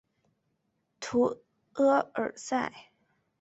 图阿尔塞。